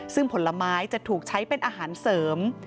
ซึ่งผลไม้จะถูกใช้เป็นอาหารเสริม